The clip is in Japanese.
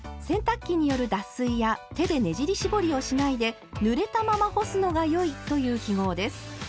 洗濯機による脱水や手でねじり絞りをしないで「ぬれたまま干すのがよい」という記号です。